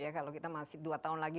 ya kalau kita masih dua tahun lagi